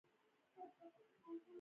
په کیږدۍ کې د روڼا د قیامتونو